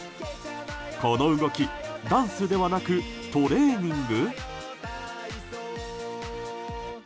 この動きダンスではなくトレーニング？